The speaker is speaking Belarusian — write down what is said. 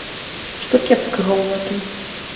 Што кепскага ў гэтым?